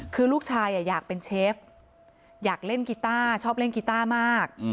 คือลูกชายอยากเป็นเชฟอยากเล่นกีต้าชอบเล่นกีต้ามาก